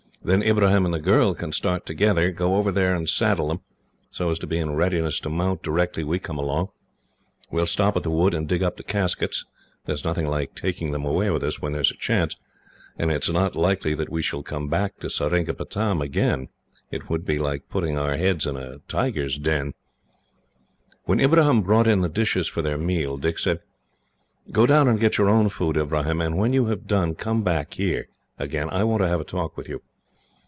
Then Ibrahim and the girl can start together, go over there and saddle them, so as to be in readiness to mount, directly we come along. We will stop at the wood and dig up the caskets. There is nothing like taking them away with us, when there is a chance, and it is not likely that we shall come back to Seringapatam again it would be like putting our heads into a tiger's den." When Ibrahim brought in the dishes for their meal, Dick said: "Go down and get your own food, Ibrahim, and when you have done come back here again. I want to have a talk with you."